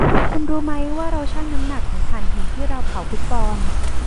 คุณรู้มั้ยว่าเราชั่งน้ำหนักของถ่านหินที่เราเผาทุกปอนด์